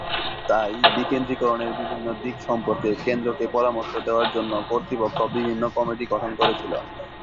তাই, বিকেন্দ্রীকরণের বিভিন্ন দিক সম্পর্কে কেন্দ্রকে পরামর্শ দেওয়ার জন্য কর্তৃপক্ষ বিভিন্ন কমিটি গঠন করেছিল।